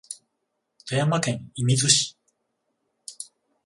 富山県射水市